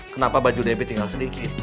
kenapa baju debit tinggal sedikit